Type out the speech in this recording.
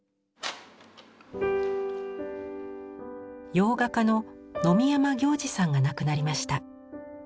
洋画家の野見山暁治さんが亡くなりました。